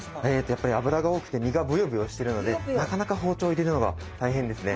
やっぱり脂が多くて身がブヨブヨしてるのでなかなか包丁入れるのが大変ですね。